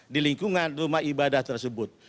di lingkungan rumah ibadah tersebut